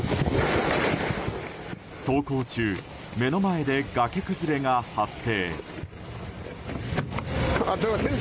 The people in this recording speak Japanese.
走行中、目の前で崖崩れが発生。